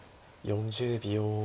４０秒。